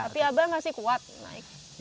tapi abah masih kuat naik